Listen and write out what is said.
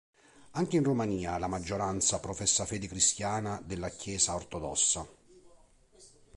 Anche in Romania la maggioranza professa fede cristiana della Chiesa ortodossa.